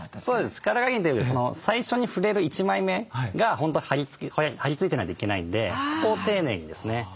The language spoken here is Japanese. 力加減というより最初に触れる１枚目が本当はり付いてないといけないんでそこを丁寧にですね。